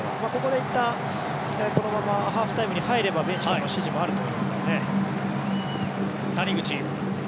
ここでいったん、このままハーフタイムに入ればベンチからの指示もあると思いますからね。